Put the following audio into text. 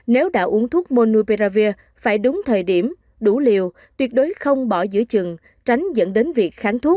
nếu đã uống thuốc monupearavir phải đúng thời điểm đủ liều tuyệt đối không bỏ giữa chừng tránh dẫn đến việc kháng thuốc